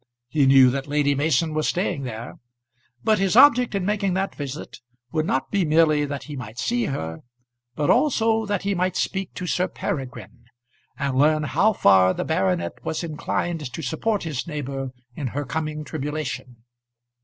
He knew that Lady Mason was staying there; but his object in making that visit would not be merely that he might see her, but also that he might speak to Sir Peregrine, and learn how far the baronet was inclined to support his neighbour in her coming tribulation.